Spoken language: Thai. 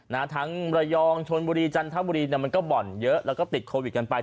ทั้งระยองชนบุรีจันทบุรีเนี่ยมันก็บ่อนเยอะแล้วก็ติดโควิดกันไป